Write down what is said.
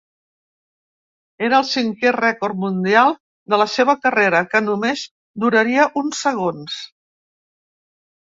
Era el cinquè rècord mundial de la seva carrera, que només duraria un segons.